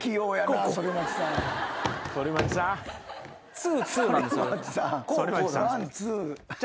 ツーツーなんですよね。